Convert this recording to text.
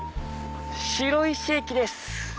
白石駅です。